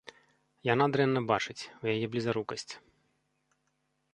Яна дрэнна бачыць, у яе блізарукасць.